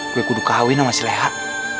gue kudu kahwin sama si lehat